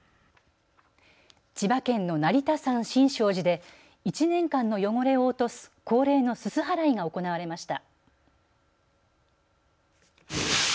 千葉県の成田山新勝寺で１年間の汚れを落とす恒例のすす払いが行われました。